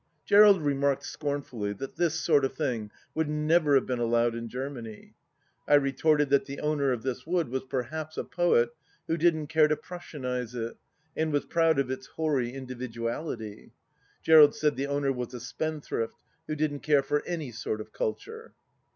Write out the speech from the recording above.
Gerald remarked scornfully that this sort of thing would never have been allowed in Germany. I retorted that the owner of this wood was perhaps a poet who didn't care to Prussianize it, and was proud of its hoary individuality. Gerald said the owner was a spendthrift, who didn't care for any sort of culture.